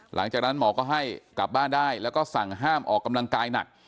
หลังจากนั้นหมอก็ให้กลับบ้านได้แล้วก็สั่งห้ามออกกำลังกายหนัก